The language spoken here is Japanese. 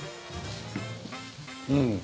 うん。